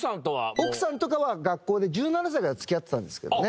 奥さんとかは学校で１７歳から付き合ってたんですけどね。